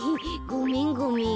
ごめんごめん。